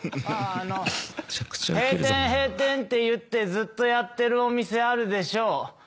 あの閉店閉店っていってずっとやってるお店あるでしょう。